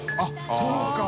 △そうか。